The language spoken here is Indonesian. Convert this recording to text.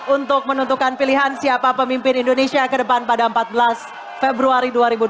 untuk menentukan pilihan siapa pemimpin indonesia ke depan pada empat belas februari dua ribu dua puluh